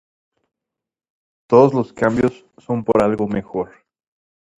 Todos los cambios son por algo mejor.